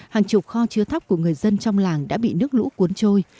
hàng chục kho chứa thắp của người dân trong làng đã bị nước lũ cuốn trôi